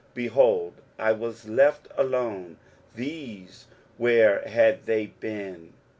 Behold, I was left alone; these, where had they been?